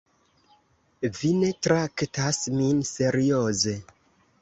Vi ne traktas min serioze.